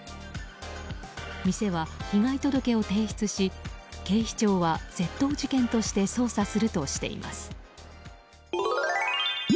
店は被害届を提出し警視庁は窃盗事件として捜査するとしています。